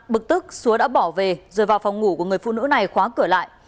bực tức xúa đã bỏ về rồi vào phòng ngủ của người phụ nữ này khóa cửa lại